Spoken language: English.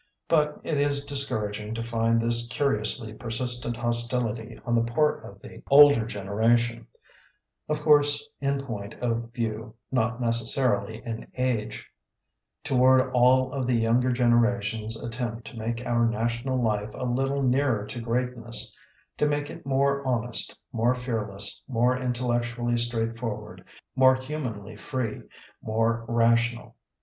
But it is discouraging to find this curiously persistent hostility on the part of the older generation (of course in point of view, not necessarily in age) toward all of the younger generation's at tempt to make our national life a little nearer to greatness — ^to make it more honest, more fearless, more inteUectu ally straightforward, more humanly free, more rational.